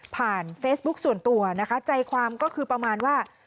เฟซบุ๊กส่วนตัวนะคะใจความก็คือประมาณว่า